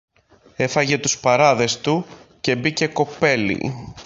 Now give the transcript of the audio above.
Έφαγε τους παράδες του και μπήκε κοπέλι